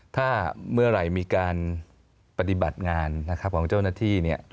ถ้าเมื่อไหร่มีการปฏิบัติงานของเจ้าหน้าที่